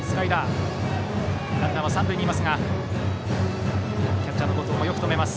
ランナーは三塁にいますがキャッチャーの後藤よく止めます。